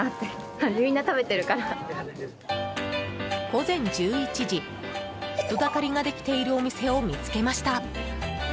午前１１時、人だかりができているお店を見つけました。